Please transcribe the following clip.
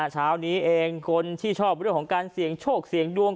เช้านี้เองคนที่ชอบเรื่องของการเสี่ยงโชคเสี่ยงดวง